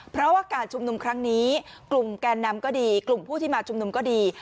เพราะว่าการชุมนุมครั้งนี้กลุ่มแกนนำก็ดีกลุ่มผู้ที่มาชุมนุมก็ดี